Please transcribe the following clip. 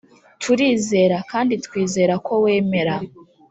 turizera, kandi twizera ko wemera,